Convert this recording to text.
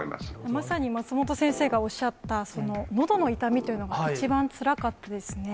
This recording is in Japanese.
まさに松本先生がおっしゃった、そののどの痛みというのが一番つらかったですね。